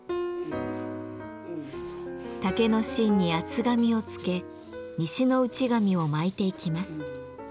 竹の芯に厚紙を付け西の内紙を巻いていきます。